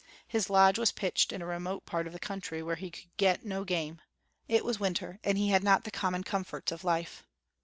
His lodge was pitched in a remote part of the country where he could get no game. It was winter, and he had not the common comforts of life.